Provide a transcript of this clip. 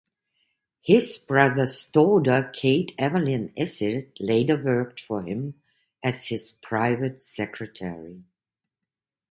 His brother's daughter, Kate Evelyn Isitt, later worked for him as his private secretary.